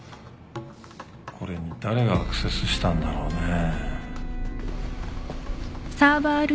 これに誰がアクセスしたんだろうねえ。